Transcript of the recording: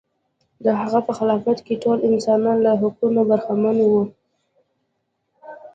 د هغه په خلافت کې ټول انسانان له حقونو برخمن و.